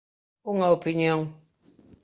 Unha opinión.